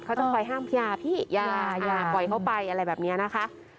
เขาจะคอยห้ามยาพี่อย่าปล่อยเขาไปอะไรแบบนี้นะคะ